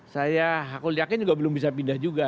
saya yakin belum bisa pindah juga